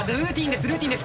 ルーティーンです。